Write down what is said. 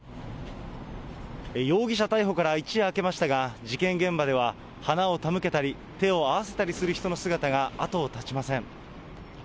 容疑者逮捕から一夜明けましたが、事件現場では花を手向けたり、手を合わせたりする人の姿が後を絶ちません。